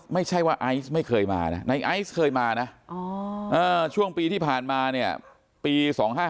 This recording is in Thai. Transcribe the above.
ไม่ใช่ว่าไอซ์ไม่เคยมานะในไอซ์เคยมานะช่วงปีที่ผ่านมาเนี่ยปี๒๕๕๙